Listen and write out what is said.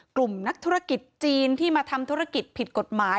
กลุ่มนักธุรกิจจีนที่มาทำธุรกิจผิดกฎหมาย